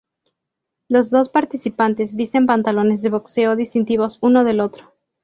Los dos participantes visten pantalones de boxeo distintivos uno del otro.